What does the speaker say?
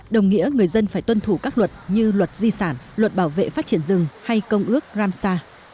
đồng nghĩa người dân phải tuân thủ các luật như luật di sản luật bảo vệ phát triển rừng hay công ước ramsar